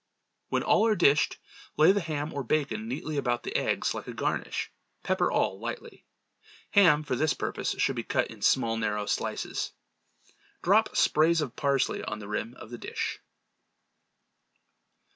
When all are dished, lay the ham or bacon neatly about the eggs like a garnish. Pepper all lightly. Ham for this purpose should be cut in small narrow slices. Drop sprays of parsley on the rim of the dish.